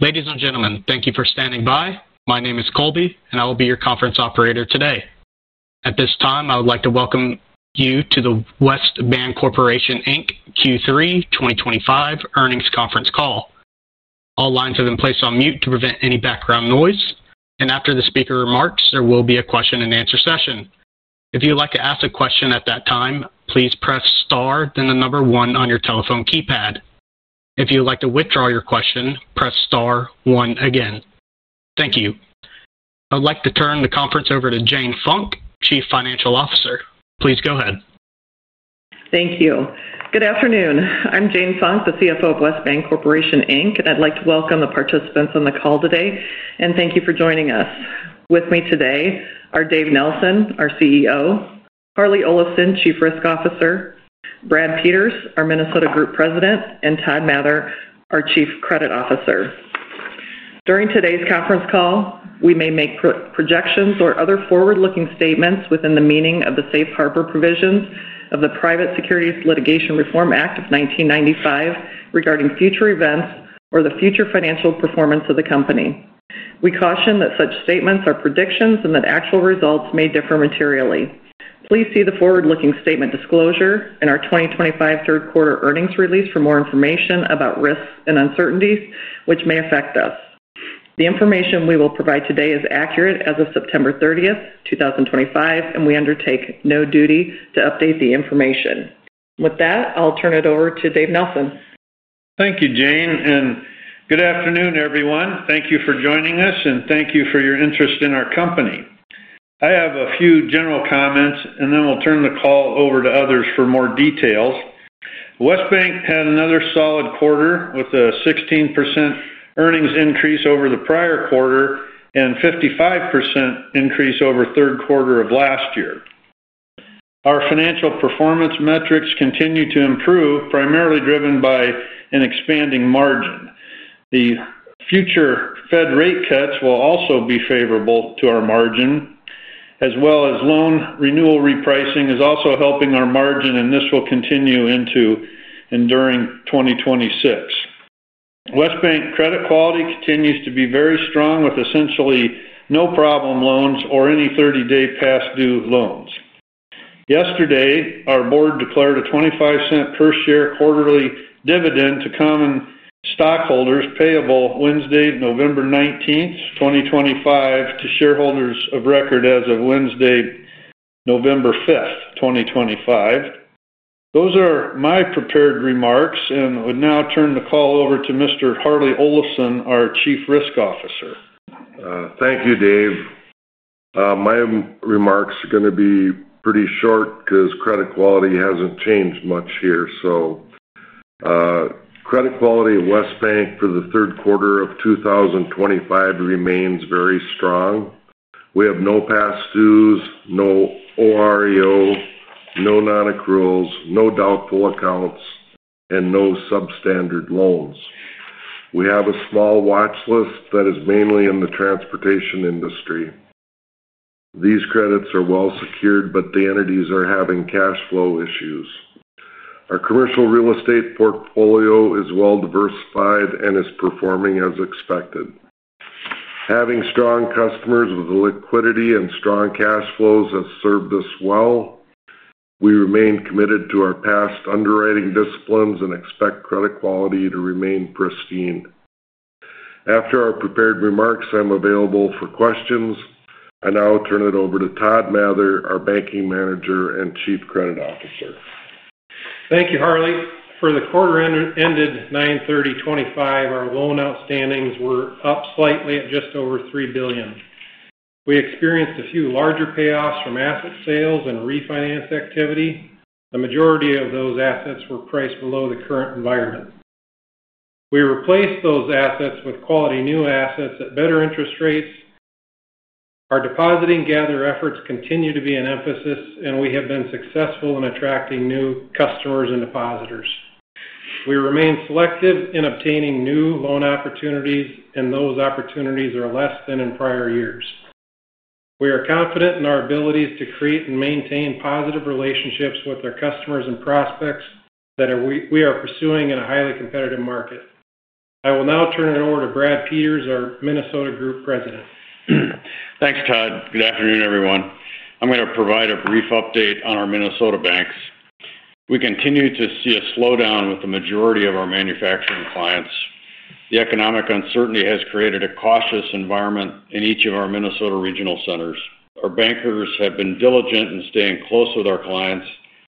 Ladies and gentlemen, thank you for standing by. My name is Colby, and I will be your conference operator today. At this time, I would like to welcome you to the West Bancorporation Inc. Q3 2025 earnings conference call. All lines have been placed on mute to prevent any background noise, and after the speaker remarks, there will be a question and answer session. If you would like to ask a question at that time, please press star, then the number one on your telephone keypad. If you would like to withdraw your question, press star one again. Thank you. I would like to turn the conference over to Jane Funk, Chief Financial Officer. Please go ahead. Thank you. Good afternoon. I'm Jane Funk, the CFO of West Bancorporation Inc., and I'd like to welcome the participants on the call today and thank you for joining us. With me today are Dave Nelson, our CEO, Harlee Olafson, Chief Risk Officer, Brad Peters, our Minnesota Group President, and Todd Mather, our Chief Credit Officer. During today's conference call, we may make projections or other forward-looking statements within the meaning of the Safe Harbor Provisions of the Private Securities Litigation Reform Act of 1995 regarding future events or the future financial performance of the company. We caution that such statements are predictions and that actual results may differ materially. Please see the forward-looking statement disclosure and our 2025 third quarter earnings release for more information about risks and uncertainties which may affect us. The information we will provide today is accurate as of September 30th, 2025, and we undertake no duty to update the information. With that, I'll turn it over to Dave Nelson. Thank you, Jane, and good afternoon, everyone. Thank you for joining us, and thank you for your interest in our company. I have a few general comments, and then we'll turn the call over to others for more details. West Bank had another solid quarter with a 16% earnings increase over the prior quarter and a 55% increase over the third quarter of last year. Our financial performance metrics continue to improve, primarily driven by an expanding margin. The future Fed rate cuts will also be favorable to our margin, as well as loan renewal repricing is also helping our margin, and this will continue into and during 2026. West Bank credit quality continues to be very strong with essentially no problem loans or any 30-day past due loans. Yesterday, our board declared a $0.25 per share quarterly dividend to common stockholders payable Wednesday, November 19th, 2025, to shareholders of record as of Wednesday, November 5th, 2025. Those are my prepared remarks and would now turn the call over to Mr. Harlee Olafson, our Chief Risk Officer. Thank you, Dave. My remarks are going to be pretty short because credit quality hasn't changed much here. Credit quality of West Bank for the third quarter of 2025 remains very strong. We have no past dues, no OREO, no non-accrual loans, no doubtful accounts, and no substandard loans. We have a small watch list that is mainly in the transportation industry. These credits are well secured, but the entities are having cash flow issues. Our commercial real estate portfolio is well diversified and is performing as expected. Having strong customers with liquidity and strong cash flows has served us well. We remain committed to our past underwriting disciplines and expect credit quality to remain pristine. After our prepared remarks, I'm available for questions. I now turn it over to Todd Mather, our Banking Manager and Chief Credit Officer. Thank you, Harlee. For the quarter ended 9/30/2025, our loan outstandings were up slightly at just over $3 billion. We experienced a few larger payoffs from asset sales and refinance activity. The majority of those assets were priced below the current environment. We replaced those assets with quality new assets at better interest rates. Our deposit gathering efforts continue to be an emphasis, and we have been successful in attracting new customers and depositors. We remain selective in obtaining new loan opportunities, and those opportunities are less than in prior years. We are confident in our abilities to create and maintain positive relationships with our customers and prospects that we are pursuing in a highly competitive market. I will now turn it over to Brad Peters, our Minnesota Group President. Thanks, Todd. Good afternoon, everyone. I'm going to provide a brief update on our Minnesota banks. We continue to see a slowdown with the majority of our manufacturing clients. The economic uncertainty has created a cautious environment in each of our Minnesota regional centers. Our bankers have been diligent in staying close with our clients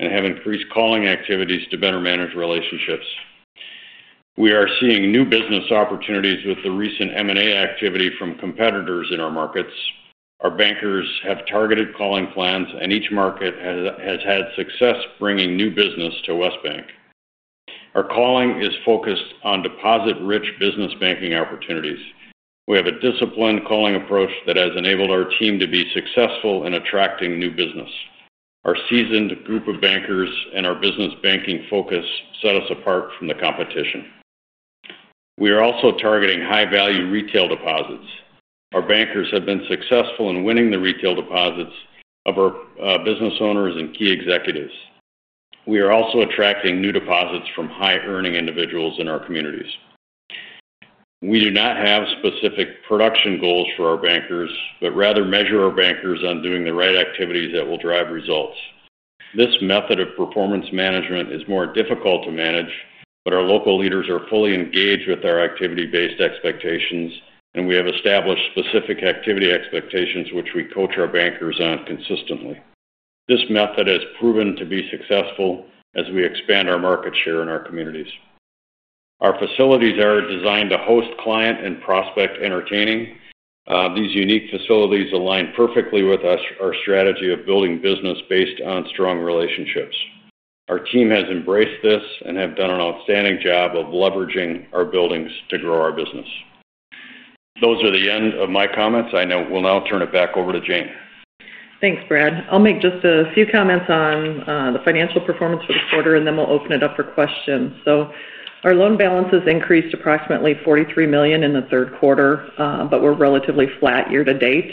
and have increased calling activities to better manage relationships. We are seeing new business opportunities with the recent M&A activity from competitors in our markets. Our bankers have targeted calling plans, and each market has had success bringing new business to West Bank. Our calling is focused on deposit-rich business banking opportunities. We have a disciplined calling approach that has enabled our team to be successful in attracting new business. Our seasoned group of bankers and our business banking focus set us apart from the competition. We are also targeting high-value retail deposits. Our bankers have been successful in winning the retail deposits of our business owners and key executives. We are also attracting new deposits from high-earning individuals in our communities. We do not have specific production goals for our bankers, but rather measure our bankers on doing the right activities that will drive results. This method of performance management is more difficult to manage, but our local leaders are fully engaged with our activity-based expectations, and we have established specific activity expectations which we coach our bankers on consistently. This method has proven to be successful as we expand our market share in our communities. Our facilities are designed to host client and prospect entertaining. These unique facilities align perfectly with our strategy of building business based on strong relationships. Our team has embraced this and has done an outstanding job of leveraging our buildings to grow our business. Those are the end of my comments. I will now turn it back over to Jane. Thanks, Brad. I'll make just a few comments on the financial performance for the quarter, and then we'll open it up for questions. Our loan balances increased approximately $43 million in the third quarter, but we're relatively flat year to date.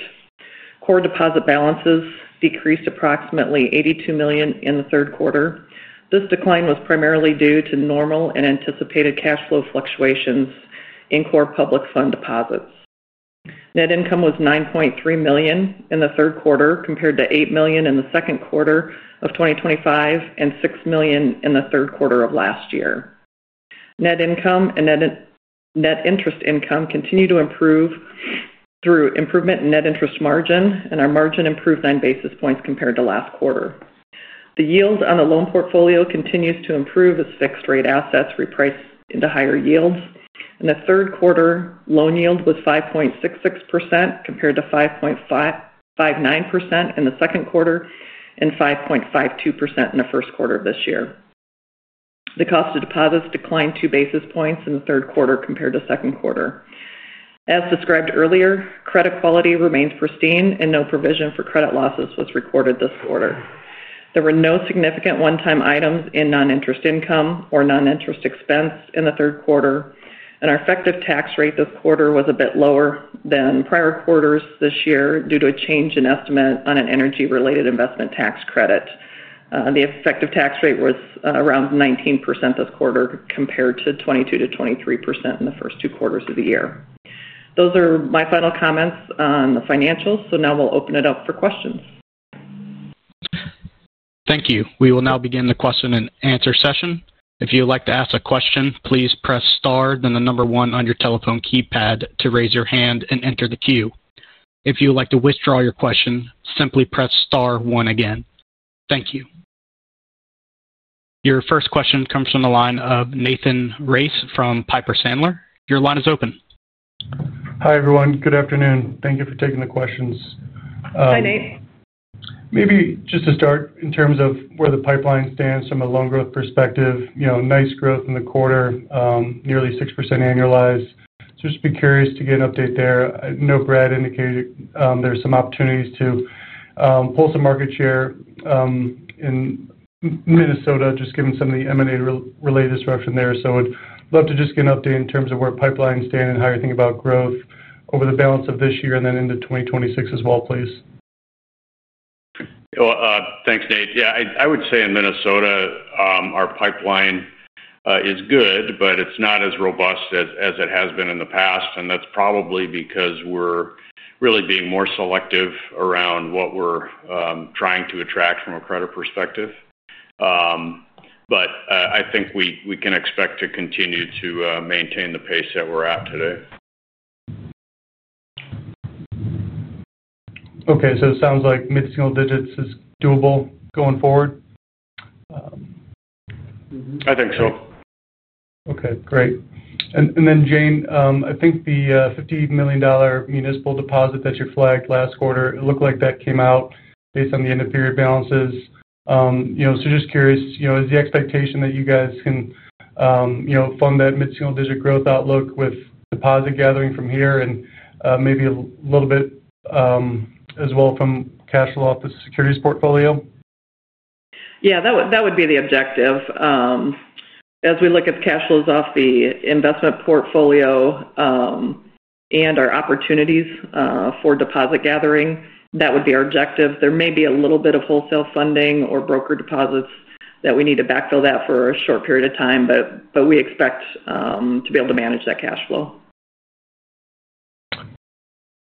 Core deposit balances decreased approximately $82 million in the third quarter. This decline was primarily due to normal and anticipated cash flow fluctuations in core public fund deposits. Net income was $9.3 million in the third quarter compared to $8 million in the second quarter of 2025 and $6 million in the third quarter of last year. Net income and net interest income continue to improve through improvement in net interest margin, and our margin improved nine basis points compared to last quarter. The yield on the loan portfolio continues to improve as fixed-rate assets repriced into higher yields. In the third quarter, loan yield was 5.66% compared to 5.59% in the second quarter and 5.52% in the first quarter of this year. The cost of deposits declined two basis points in the third quarter compared to the second quarter. As described earlier, credit quality remains pristine, and no provision for credit losses was recorded this quarter. There were no significant one-time items in non-interest income or non-interest expense in the third quarter, and our effective tax rate this quarter was a bit lower than prior quarters this year due to a change in estimate on an energy-related investment tax credit. The effective tax rate was around 19% this quarter compared to 22%, 23% in the first two quarters of the year. Those are my final comments on the financials, so now we'll open it up for questions. Thank you. We will now begin the question and answer session. If you would like to ask a question, please press star, then the number one on your telephone keypad to raise your hand and enter the queue. If you would like to withdraw your question, simply press star one again. Thank you. Your first question comes from the line of Nathan Race from Piper Sandler. Your line is open. Hi, everyone. Good afternoon. Thank you for taking the questions. Hi, Nate. Maybe just to start, in terms of where the pipeline stands from a loan growth perspective, nice growth in the quarter, nearly 6% annualized. I'd just be curious to get an update there. I know Brad indicated there are some opportunities to pull some market share in Minnesota, just given some of the M&A-related disruption there. I'd love to just get an update in terms of where pipelines stand and how you think about growth over the balance of this year and then into 2026 as well, please. Thanks, Nate. Yeah, I would say in Minnesota, our pipeline is good, but it's not as robust as it has been in the past. That's probably because we're really being more selective around what we're trying to attract from a credit perspective. I think we can expect to continue to maintain the pace that we're at today. Okay, it sounds like mid-single digits is doable going forward. I think so. Okay, great. Jane, I think the $50 million municipal deposit that you flagged last quarter, it looked like that came out based on the end-of-period balances. Just curious, is the expectation that you guys can fund that mid-single digit growth outlook with deposit gathering from here and maybe a little bit as well from cash flow off the securities portfolio? Yeah, that would be the objective. As we look at the cash flows off the investment portfolio and our opportunities for deposit gathering, that would be our objective. There may be a little bit of wholesale funding or broker deposits that we need to backfill for a short period of time, but we expect to be able to manage that cash flow.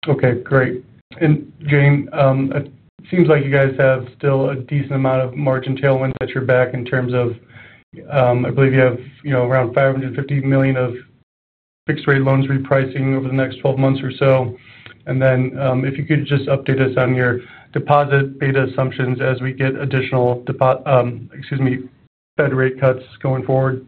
Okay, great. Jane, it seems like you guys have still a decent amount of margin tailwinds at your back in terms of, I believe you have around $550 million of fixed-rate loans repricing over the next 12 months or so. If you could just update us on your deposit beta assumptions as we get additional, excuse me, Fed rate cuts going forward.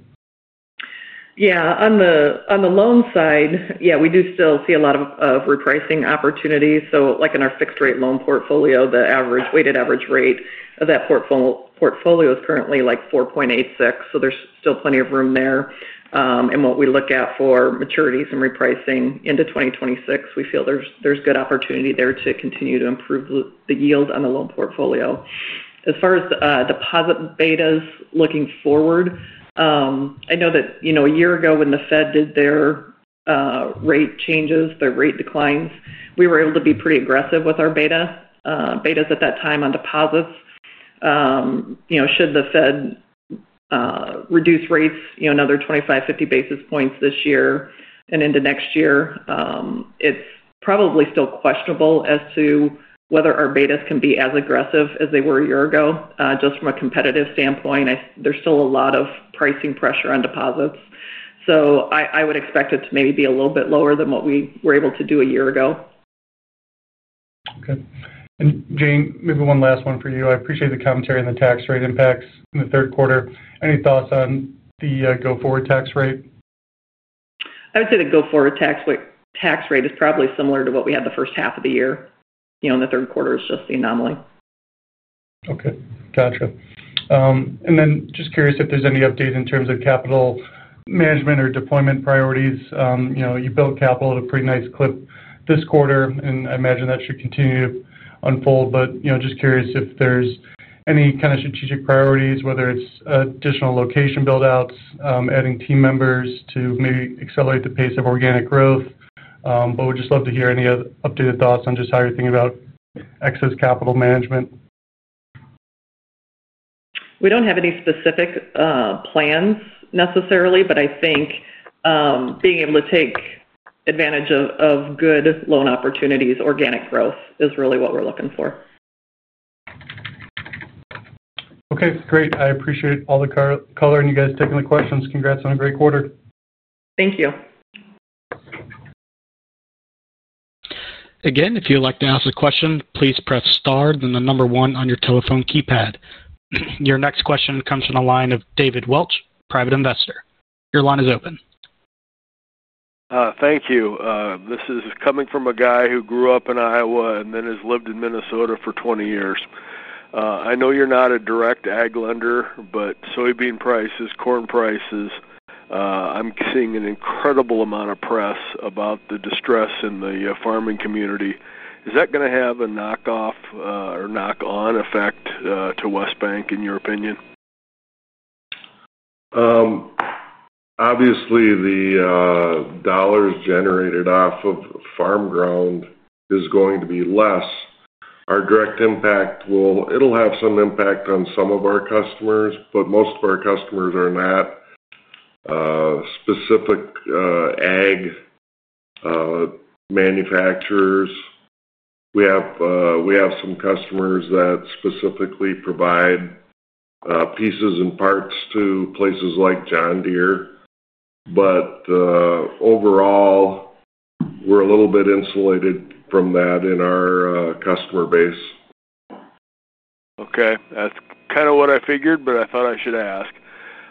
Yeah, on the loan side, we do still see a lot of repricing opportunities. In our fixed-rate loan portfolio, the weighted average rate of that portfolio is currently 4.86%. There's still plenty of room there. What we look at for maturities and repricing into 2026, we feel there's good opportunity there to continue to improve the yield on the loan portfolio. As far as deposit betas looking forward, I know that a year ago when the Fed did their rate changes, their rate declines, we were able to be pretty aggressive with our betas at that time on deposits. Should the Fed reduce rates another 25 basis points, 50 basis points this year and into next year, it's probably still questionable as to whether our betas can be as aggressive as they were a year ago. From a competitive standpoint, there's still a lot of pricing pressure on deposits. I would expect it to maybe be a little bit lower than what we were able to do a year ago. Okay. Jane, maybe one last one for you. I appreciate the commentary on the tax rate impacts in the third quarter. Any thoughts on the go forward tax rate? I would say the go forward tax rate is probably similar to what we had the first half of the year. In the third quarter, it's just the anomaly. Okay, gotcha. Is there any update in terms of capital management or deployment priorities? You built capital at a pretty nice clip this quarter, and I imagine that should continue to unfold. I am just curious if there's any kind of strategic priorities, whether it's additional location build-outs or adding team members to maybe accelerate the pace of organic growth. We'd just love to hear any updated thoughts on how you're thinking about excess capital management. We don't have any specific plans necessarily, but I think being able to take advantage of good loan opportunities and organic growth is really what we're looking for. Okay, great. I appreciate all the color and you guys taking the questions. Congrats on a great quarter. Thank you. Again, if you would like to ask a question, please press star, then the number one on your telephone keypad. Your next question comes from the line of David Welch, Private Investor. Your line is open. Thank you. This is coming from a guy who grew up in Iowa and then has lived in Minnesota for 20 years. I know you're not a direct ag lender, but soybean prices, corn prices, I'm seeing an incredible amount of press about the distress in the farming community. Is that going to have a knock-on effect to West Bank, in your opinion? Obviously, the dollars generated off of farm ground are going to be less. Our direct impact will have some impact on some of our customers, but most of our customers are not specific ag manufacturers. We have some customers that specifically provide pieces and parts to places like John Deere. Overall, we're a little bit insulated from that in our customer base. Okay, that's kind of what I figured, but I thought I should ask.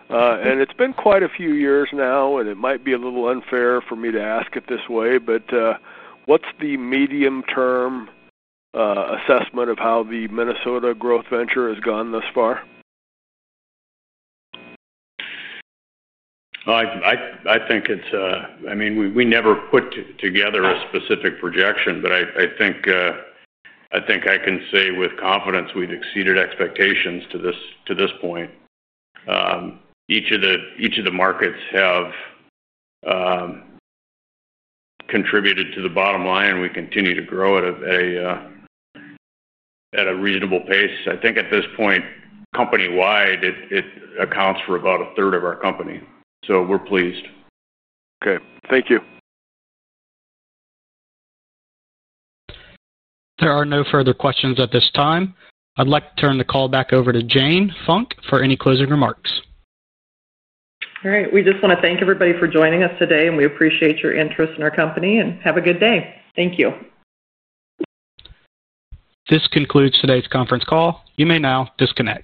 It's been quite a few years now, and it might be a little unfair for me to ask it this way, but what's the medium-term assessment of how the Minnesota growth venture has gone thus far? I think it's, I mean, we never put together a specific projection, but I think I can say with confidence we've exceeded expectations to this point. Each of the markets have contributed to the bottom line, and we continue to grow at a reasonable pace. I think at this point, company-wide, it accounts for about a third of our company. We're pleased. Okay, thank you. There are no further questions at this time. I'd like to turn the call back over to Jane Funk for any closing remarks. All right. We just want to thank everybody for joining us today, and we appreciate your interest in our company. Have a good day. Thank you. This concludes today's conference call. You may now disconnect.